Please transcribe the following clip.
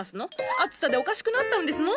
暑さでおかしくなったんですの？